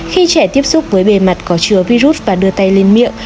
khi trẻ tiếp xúc với bề mặt có chứa virus và đưa tay lên miệng